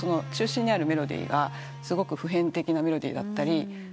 中心にあるメロディーがすごく普遍的なメロディーだったり。